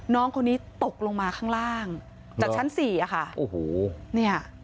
น้องคนนี้ตกลงมาข้างล่างจากชั้นสี่อ่ะค่ะโอ้โหเนี่ย